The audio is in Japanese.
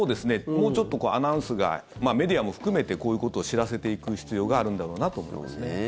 もうちょっとアナウンスがメディアも含めてこういうことを知らせていく必要があるんだろうなと思いますね。